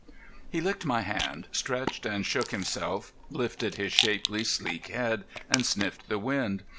He licked my hand, stretched and shook himself, lifted his shapely, sleek head and sniffed the wind.